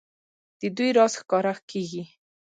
د دوی راز ښکاره کېږي.